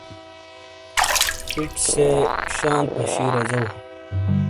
ایڇ سے شال پشی رجو ۔